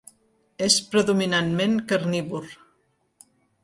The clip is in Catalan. És predominantment carnívor.